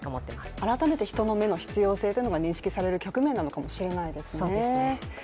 改めて人の目の必要性が認識される局面なのかもしれないですね。